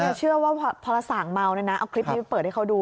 แต่เชื่อว่าพอส่างเมาเนี่ยนะเอาคลิปนี้ไปเปิดให้เขาดู